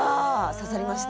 刺さりました？